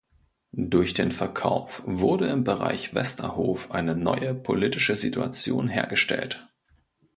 Durch den Verkauf wurde im Bereich Westerhof eine neue politische Situation hergestellt.